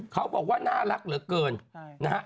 เขาบอกว่าน่ารักเหลือเกินนะฮะ